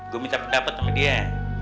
gue minta pendapat sama dia